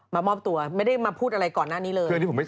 มามอบตัวไม่ได้มาพูดอะไรก่อนหน้านี้เลย